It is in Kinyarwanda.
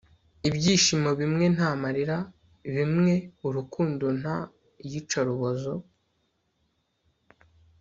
Ibyishimo bimwe nta marira bimwe urukundo nta iyicarubozo